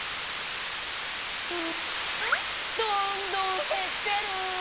どんどんへってる！